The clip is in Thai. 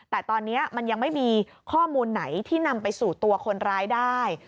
แต่ตอนนี้มันยังไม่มีข้อมูลไหนที่นำไปสู่ตัวคนร้ายได้